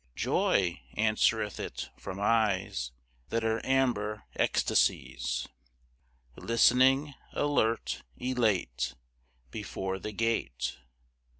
"Joy," answereth it from eyes That are amber ecstasies, Listening, alert, elate, Before the gate.